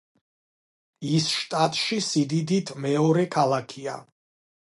ის შტატში სიდიდით მეორე ქალაქია.